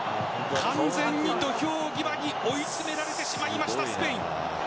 完全に土俵際に追い詰められてしまいましたスペイン。